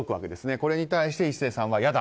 これに対して壱成さんはやだ！